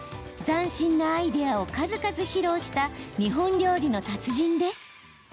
斬新なアイデアを数々披露した日本料理の達人です。